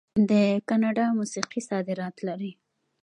د کاناډا موسیقي صادرات لري.